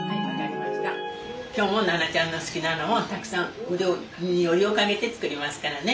今日もななちゃんの好きなのをたくさん腕によりをかけて作りますからね。